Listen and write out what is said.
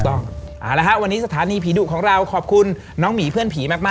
ต้องเอาละฮะวันนี้สถานีผีดุของเราขอบคุณน้องหมีเพื่อนผีมาก